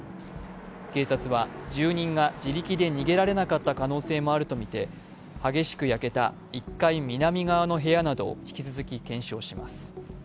警察は住人が自力で逃げられなかった可能性もあるとみて激しく焼けた１階南側の部屋などを引き続き検証します。